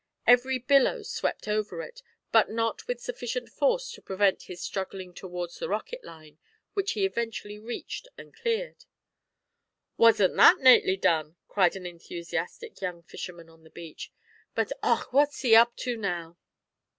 Every billow swept over it, but not with sufficient force to prevent his struggling towards the rocket line, which he eventually reached and cleared. "Wasn't that nately done!" cried an enthusiastic young fisherman on the beach; "but, och! what is he up to now?"